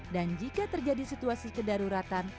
dan jika terjadi situasi kedaruratan